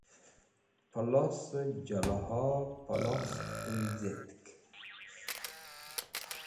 Plosẽ jẽlhoẽ plos tẽncetk